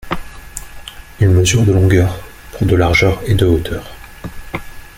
Il mesure de longueur pour de largeur et de hauteur.